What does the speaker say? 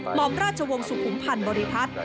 หมอมราชวงศ์สุขุมพันธ์บริพัฒน์